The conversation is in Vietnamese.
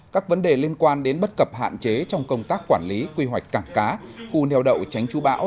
các vấn đề liên quan đến bất cập hạn chế trong công tác quản lý quy hoạch cảng cá khu neo đậu tránh chú bão